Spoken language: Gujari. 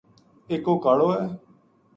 ایک کاڑو ہے